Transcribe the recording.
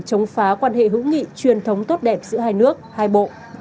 chống phá quan hệ hữu nghị truyền thống tốt đẹp giữa hai nước hai bộ